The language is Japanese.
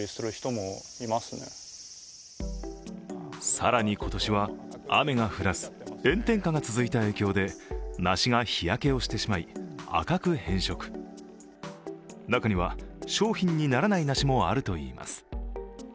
更に今年は、雨が降らず炎天下が続いた影響で梨が日焼けをしてしまい、赤く変色中には商品にならない梨もあるといいます。